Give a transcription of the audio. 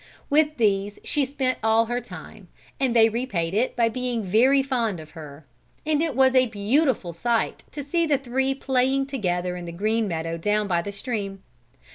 With these she spent all her time, and they repaid it by being very fond of her; and it was a beautiful sight to see the three playing together in the green meadow down by the stream.